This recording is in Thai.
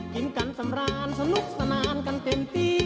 เห็นกันสำราญสนุกสนานกันเต็มปี